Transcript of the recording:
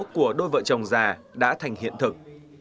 của đôi vợ chồng già đã thành hiện thực